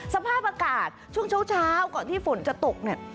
สภาพอากาศช่วงเช้าก่อนที่ฝนจะตกเนี่ย